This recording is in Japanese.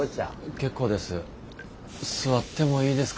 結構です。